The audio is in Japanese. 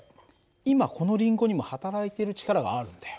今このりんごにもはたらいている力があるんだよ。